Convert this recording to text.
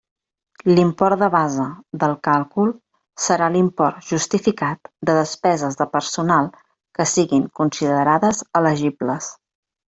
L'import de base del càlcul serà l'import justificat de despeses de personal que siguin considerades elegibles.